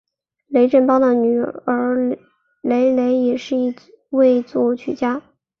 雷振邦的女儿雷蕾也是一位作曲家。